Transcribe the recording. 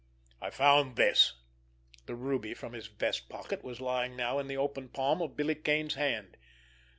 I found this"—the ruby, from his vest pocket, was lying now in the open palm of Billy Kane's hand.